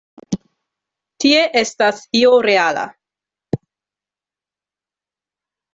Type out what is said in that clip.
Tie estas io reala.